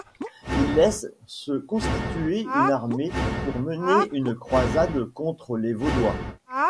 Il laisse se constituer une armée pour mener une croisade contre les vaudois.